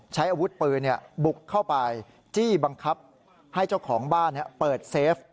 ใช้อาวุธปืนบุกเข้าไปจี้บังคับให้เจ้าของบ้านเปิดเซฟ